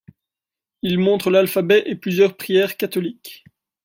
Il montre l'alphabet et plusieurs prières catholiques.